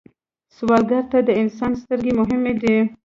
سوالګر ته د انسان سترګې مهمې دي